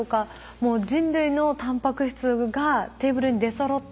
もう人類のタンパク質がテーブルに出そろった。